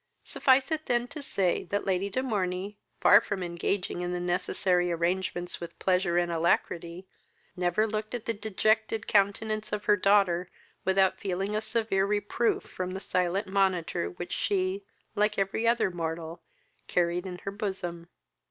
Suffice it then to say, that Lady de Morney, far from engaging in the necessary arrangements with pleasure and alacrity, never looked at the dejected countenance of her daughter without feeling a severe reproof from the silent monitor which she, like every other mortal, carried in her bosom.